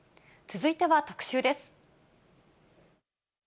続いては特集です。